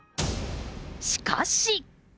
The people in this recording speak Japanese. しかし。